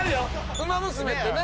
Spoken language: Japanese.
『ウマ娘』ってね。